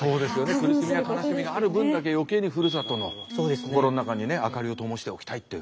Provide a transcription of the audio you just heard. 苦しみや悲しみがある分だけ余計にふるさとの心の中にね明かりをともしておきたいっていう。